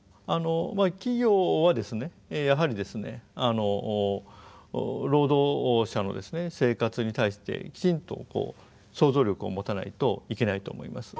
企業はですねやはり労働者の生活に対してきちんと想像力を持たないといけないと思います。